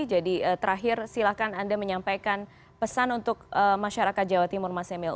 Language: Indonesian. jadi terakhir silahkan anda menyampaikan pesan untuk masyarakat jawa timur mas emil